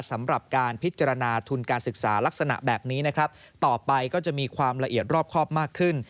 สำหรับการพิจารณาทุนการศึกษาลักษณะแบบนี้นะครับต่อไปก็จะมีความละเอียดรอบครอบมากขึ้น